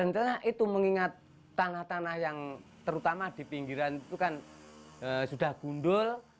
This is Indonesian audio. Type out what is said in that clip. sebenarnya itu mengingat tanah tanah yang terutama di pinggiran itu kan sudah gundul